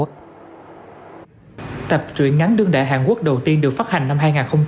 tập truyện ngắn đương đại hàn quốc đầu tiên được phát hành năm hai nghìn một mươi tám